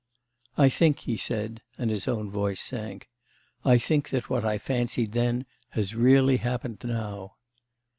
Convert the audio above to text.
'I think,' he said, and his own voice sank, 'I think that what I fancied then has really happened now.